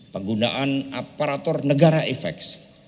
penggunaan aparatur negara effex